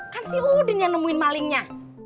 kan si uden yang nemuin malingnya